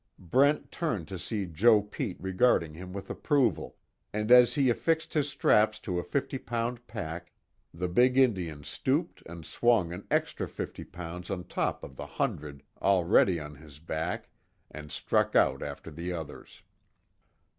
Brent turned to see Joe Pete regarding him with approval, and as he affixed his straps to a fifty pound pack, the big Indian stooped and swung an extra fifty pounds on top of the hundred already on his back and struck out after the others.